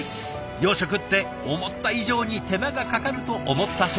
養殖って思った以上に手間がかかると思ったそうです。